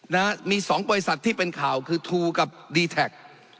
นะฮะมีสองบริษัทที่เป็นข่าวคือทูกับดีแท็ก